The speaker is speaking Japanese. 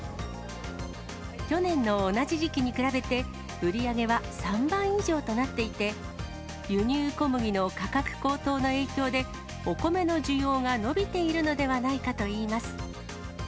去年の同じ時期に比べて、売り上げは３倍以上となっていて、輸入小麦の価格高騰の影響で、お米の需要が伸びているのではないかといいます。